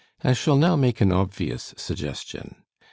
I shall now make an obvious suggestion.